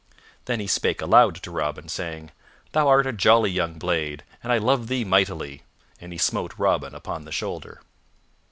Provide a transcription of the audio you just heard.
Then he spake aloud to Robin, saying, "Thou art a jolly young blade, and I love thee mightily;" and he smote Robin upon the shoulder.